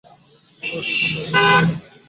আমরা দুই জন বাগানে বসি।